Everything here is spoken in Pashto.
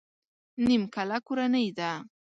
نيمکله کورنۍ ده.